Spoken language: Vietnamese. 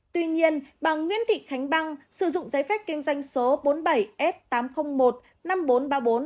tuy nhiên bà nguyễn thị khánh băng sử dụng giấy phép kinh doanh số bốn mươi bảy f tám trăm linh một năm nghìn bốn trăm ba mươi bốn